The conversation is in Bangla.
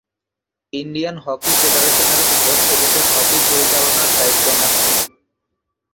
ইন্ডিয়ান হকি ফেডারেশনের উপর এদেশের হকি পরিচালনার দায়িত্ব ন্যস্ত।